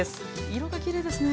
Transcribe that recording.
色がきれいですね。